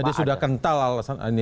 jadi sudah kental alasan ini